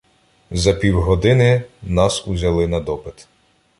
За півгодини нас узяли на допит.